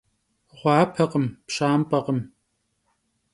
Ğuapekhım, pşamp'ekhım.